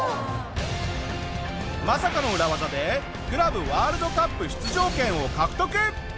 まさかの裏技でクラブワールドカップ出場権を獲得！